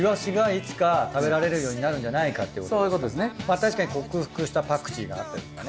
確かに克服したパクチーがあったりとかね。